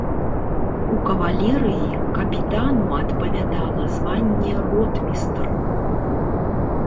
У кавалерыі капітану адпавядала званне ротмістр.